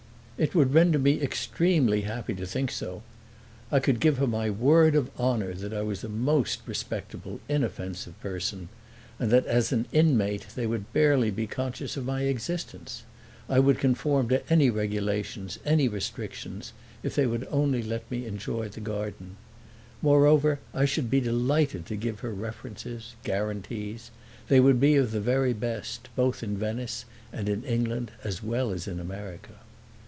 It would render me extremely happy to think so. I could give her my word of honor that I was a most respectable, inoffensive person and that as an inmate they would be barely conscious of my existence. I would conform to any regulations, any restrictions if they would only let me enjoy the garden. Moreover I should be delighted to give her references, guarantees; they would be of the very best, both in Venice and in England as well as in America.